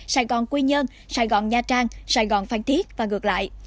sài gòn quy nhơn sài gòn nha trang sài gòn phang thiết và ngược lại